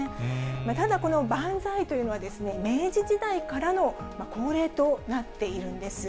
ただこの万歳というのは、明治時代からの恒例となっているんです。